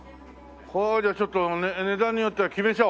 こりゃちょっと値段によっては決めちゃおう！